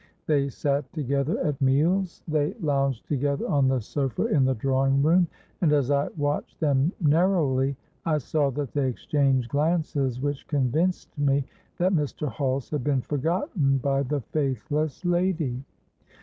They sate together at meals—they lounged together on the sofa in the drawing room—and, as I watched them narrowly, I saw that they exchanged glances which convinced me that Mr. Hulse had been forgotten by the faithless lady.